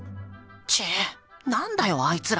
「ちぇっ、なんだよあいつら。